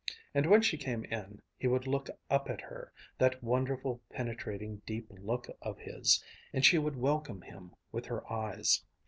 And when she came in, he would look up at her, that wonderful penetrating deep look of his ... and she would welcome him with her eyes.